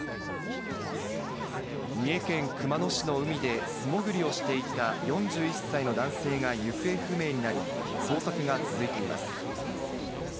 三重県熊野市の海で素潜りをしていた４１歳の男性が行方不明になり、捜索が続いています。